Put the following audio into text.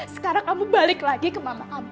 sekarang kamu balik lagi ke mama kamu